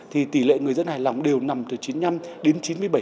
thì tỷ lệ người dân hài lòng đều nằm từ chín mươi năm đến chín mươi bảy